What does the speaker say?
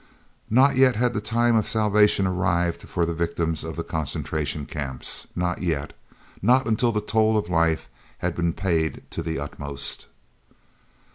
Not yet had the time of salvation arrived for the victims of the Concentration Camps not yet not until the toll of life had been paid to the uttermost.